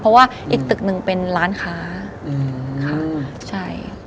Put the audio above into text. เพราะว่าอีกตึกหนึ่งเป็นร้านค้าค่ะใช่